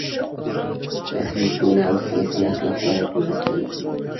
تخنیکونه او سیاسي اخلاق باید مرسته وکړي.